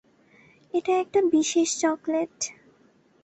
এটা একটা বিশেষ চকলেট।